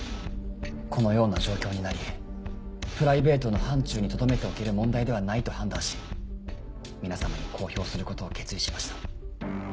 このような状況になりプライベートの範疇にとどめておける問題ではないと判断し皆様に公表することを決意しました。